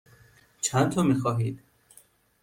چندتا می خواهید؟